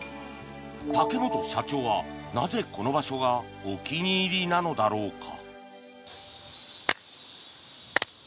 竹本社長はなぜこの場所がお気に入りなのだろうか。